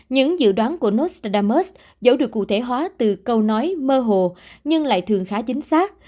những dự đoán của nos damus dẫu được cụ thể hóa từ câu nói mơ hồ nhưng lại thường khá chính xác